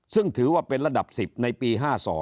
ซึ่งถือว่าเป็นระดับ๑๐ในปี๕๒